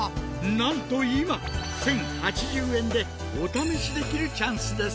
なんと今１，０８０円でお試しできるチャンスです！